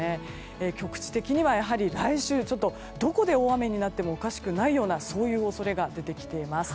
局地的には来週どこで大雨になってもおかしくないような恐れが出てきています。